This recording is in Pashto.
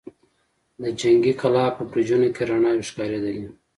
د جنګي کلا په برجونو کې رڼاوې ښکارېدلې.